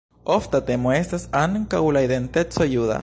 Ofta temo estas ankaŭ la identeco juda.